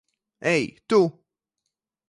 Ei, tu!